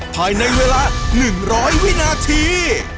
ภายในเวลา๑๐๐วินาที